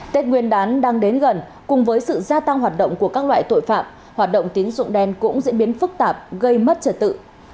tết nguyên đán đang đến gần cùng với sự gia tăng hoạt động của các loại tội phạm hoạt động tín dụng đen cũng diễn biến phức tạp gây mất trật tự